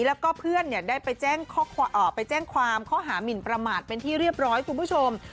แล้วก็เพื่อนได้ไปแจ้งความข้อหามินประมาทเป็นที่เรียบร้อยคุณผู้ชม